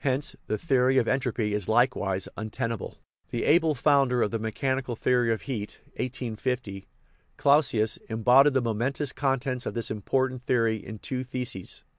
Hence the theory of entropy is likewise un tenable. The able founder of the mechanical theory of heat (1850), Clausius, embodied the momentous contents of this important theory in two theses.